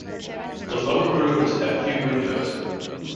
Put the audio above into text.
The lower rooms have few windows.